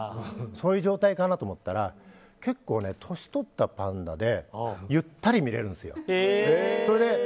そういう状態かなと思ったら結構、年取ったパンダでゆったり見れるんです。